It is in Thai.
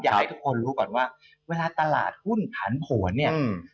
อยากให้ทุกคนรู้ก่อนว่าเวลาตลาดหุ้นผันผวนเนี่ยอืม